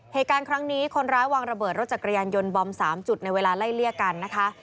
เหตุการณ์ครั้งนี้คนร้ายวางระเบิดรถจักรยานยนต์บอม๓จุดในเวลาไล่เลี่ยกันนะคะ